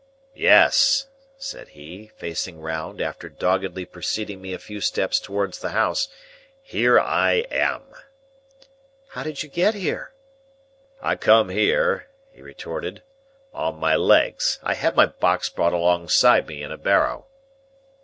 "Yes!" said he, facing round, after doggedly preceding me a few steps towards the house. "Here I am!" "How did you come here?" "I come here," he retorted, "on my legs. I had my box brought alongside me in a barrow."